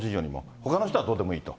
ほかの人はどうでもいいと。